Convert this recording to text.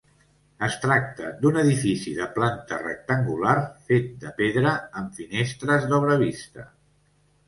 Es tracta d'un edifici de planta rectangular fet de pedra amb finestres d'obra vista.